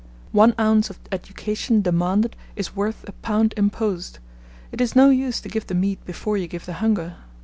'One ounce of education demanded is worth a pound imposed. It is no use to give the meat before you give the hunger.'